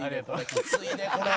きついでこれ。